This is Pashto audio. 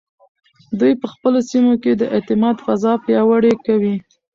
دوی په خپلو سیمو کې د اعتماد فضا پیاوړې کوي.